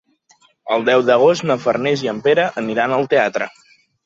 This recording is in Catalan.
El deu d'agost na Farners i en Pere aniran al teatre.